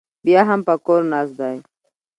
بیا هم په کور ناست دی